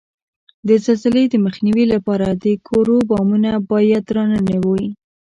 د زلزلې د مخنیوي لپاره د کورو بامونه باید درانه نه وي؟